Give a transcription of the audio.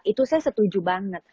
itu saya setuju banget